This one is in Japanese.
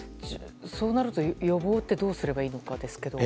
そうなると予防はどうすればいいのかですが。